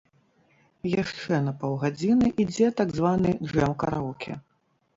Яшчэ на паўгадзіны ідзе так званы джэм-караоке.